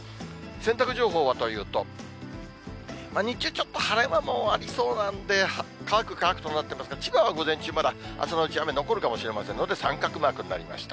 洗濯情報はというと、日中、ちょっと晴れ間もありそうなんで、乾く、乾くとなっていますが、千葉は午前中まだ朝のうち、雨残るかもしれませんので、三角マークになりました。